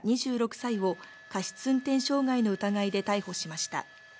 ２６歳を、過失運転傷害の疑いで逮捕しました。